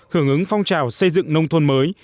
hưởng ứng phong trào xây dựng nông thôn mới